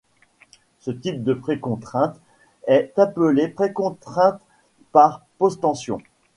Ce type de précontrainte est appelé précontrainte par posttension.